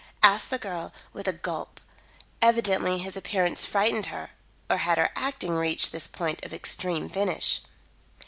asked the girl, with a gulp. Evidently his appearance frightened her or had her acting reached this point of extreme finish?